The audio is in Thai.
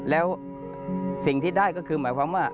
แล้วสิ่งที่ได้ก็คือหมายความว่า